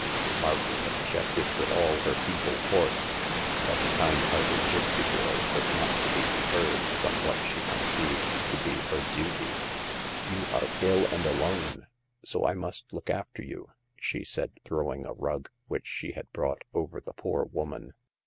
Margaret objected with all her feeble force ; but the kind hearted gipsy girl was not to be deterred from what she conceived to be her duty. "You are ill and alone, so I must look after you," she said, throwing a rug, which she had brought, over the poor woman."